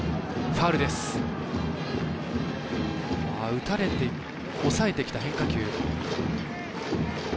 打たれて抑えてきた変化球。